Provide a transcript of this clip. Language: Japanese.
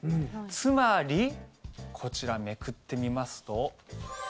つまりこちら、めくってみますと。